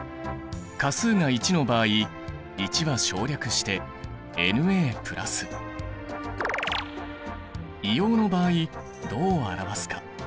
価数が１の場合１は省略して硫黄の場合どう表すか？